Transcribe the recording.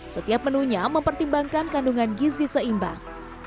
setiap menunya mempertimbangkan kandungan gizi seimbang